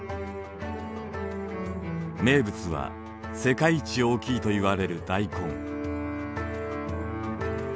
名物は世界一大きいといわれるダイコン。